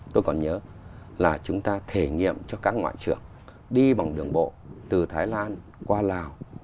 tôi còn nhớ là chúng ta thể nghiệm cho các ngoại trưởng đi bằng đường bộ từ thái lan qua lào